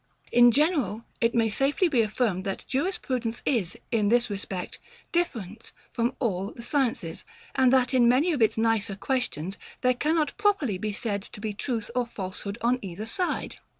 In general, it may safely be affirmed that jurisprudence is, in this respect, different from all the sciences; and that in many of its nicer questions, there cannot properly be said to be truth or falsehood on either side.